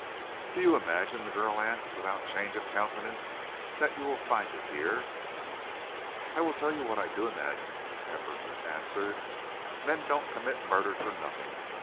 "Do you imagine," the girl asked, without change of countenance, "that you will find it here?" "I will tell you what I do imagine," Hefferom answered. "Men don't commit murder for nothing.